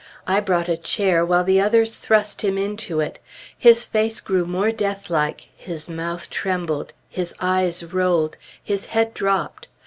I brought a chair, while the others thrust him into it. His face grew more deathlike, his mouth trembled, his eyes rolled, his head dropped.